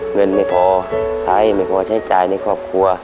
เงินไม่พอใช้ไม่พอใช้จ่ายในครอบครัว